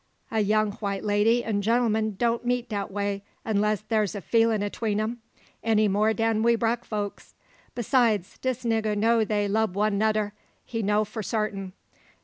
A young white lady an' genl'm don't meet dat way unless dar's a feelin' atween em, any more dan we brack folks. Besides, dis nigga know dey lub one noder he know fo sartin.